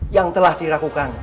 yang telah dirakukan